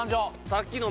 さっきの。